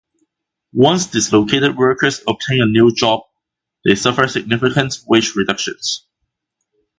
Once dislocated workers obtain a new job, they suffer significant wage reductions.